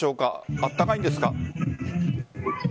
あったかいんですか？